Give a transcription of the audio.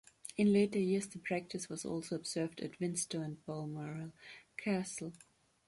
In later years the practice was also observed at Windsor and Balmoral Castle.